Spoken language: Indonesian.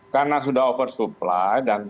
karena sudah oversupply dan